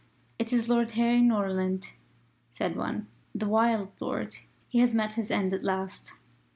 "It is Lord Harry Norland," said one. "The wild lord he has met his end at last."